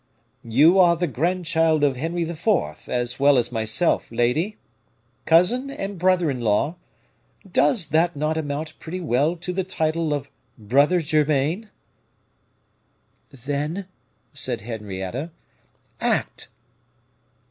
"You are the grandchild of Henry IV. as well as myself, lady. Cousin and brother in law, does not that amount pretty well to the title of brother germain?" "Then," said Henrietta, "act!"